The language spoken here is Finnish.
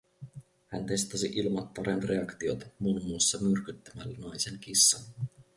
Hän testasi Ilmattaren reaktiota muun muassa myrkyttämällä naisen kissan.